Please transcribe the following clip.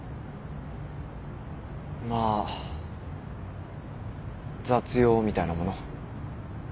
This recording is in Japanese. まあ雑用みたいなもの。